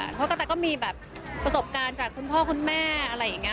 เพราะคุณตาก็มีประสงค์การจากคุณพ่อคุณแม่อะไรอย่างงี้